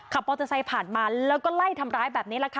มอเตอร์ไซค์ผ่านมาแล้วก็ไล่ทำร้ายแบบนี้แหละค่ะ